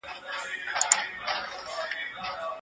ایا ته د خپلي خوښې کتاب په کتابتون کي موندلی سې؟